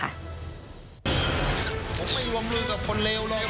ผมไม่วงลือกับคนเลวเลย